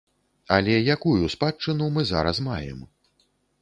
Але якую спадчыну мы зараз маем?